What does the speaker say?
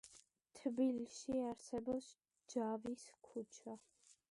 თბილისში არსებობს ჯავის ქუჩა.